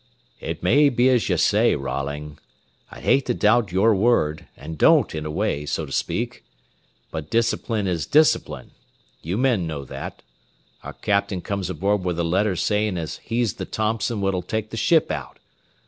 "It may be as ye say, Rolling. I'd hate to doubt your word, and don't, in a way, so to speak. But discipline is discipline. You men know that. Our captain comes aboard with a letter sayin' as he's the Thompson what'll take the ship out.